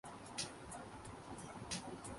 Chowdhury was born in Barisal District.